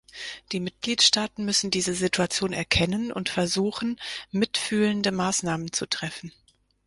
Die Mitgliedstaaten müssen diese Situation erkennen und versuchen, mitfühlende Maßnahmen zu treffen.